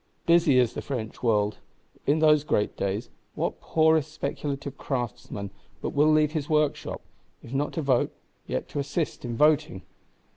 Busy is the French world! In those great days, what poorest speculative craftsman but will leave his workshop; if not to vote, yet to assist in voting?